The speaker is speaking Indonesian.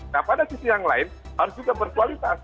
nah pada sisi yang lain harus juga berkualitas